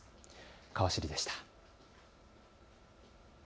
かわ知りでした。